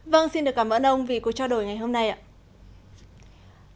vâng xin được cảm ơn ông vì cuộc trao đổi ngày hôm nay ạ